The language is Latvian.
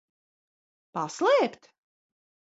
Paslēpt?